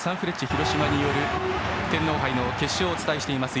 広島による天皇杯の決勝をお伝えしています。